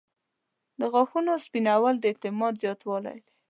• د غاښونو سپینوالی د اعتماد زیاتوالی دی.